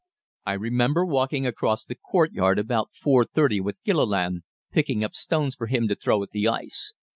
I remember walking across the courtyard about 4.30 with Gilliland, picking up stones for him to throw at the ice.